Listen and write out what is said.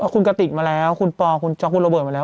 คุณกะติกมะแล้วคุณปอลคุณจ๊อกคุณระเบิดมะแล้ว